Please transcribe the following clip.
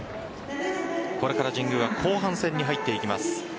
これから神宮は後半戦に入っていきます。